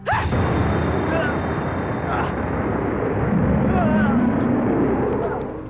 aku ingin mengadakan pertukaran denganmu